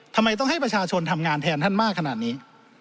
ทำไมต้องให้ประชาชนทำงานแทนท่านมากขนาดนี้